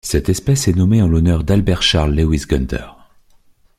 Cette espèce est nommée en l'honneur d'Albert Charles Lewis Günther.